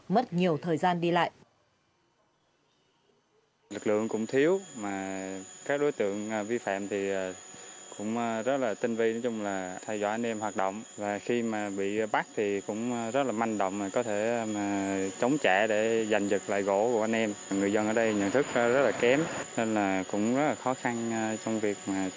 mất nhiều thời gian đi lại